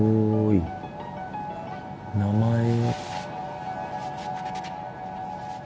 おい名前。